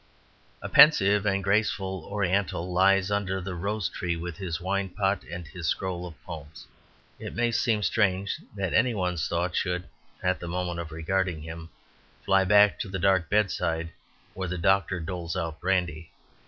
A pensive and graceful Oriental lies under the rose tree with his wine pot and his scroll of poems. It may seem strange that any one's thoughts should, at the moment of regarding him, fly back to the dark bedside where the doctor doles out brandy.